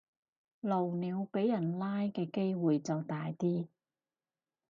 露鳥俾人拉嘅機會就大啲